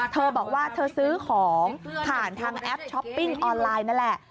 เธอบอกว่าเธอซื้อของผ่านทางแอปช้อปปิ้งออนไลน์นั่นแหละ